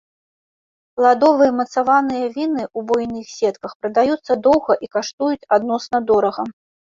Пладовыя мацаваныя віны у буйных сетках прадаюцца доўга і каштуюць адносна дорага.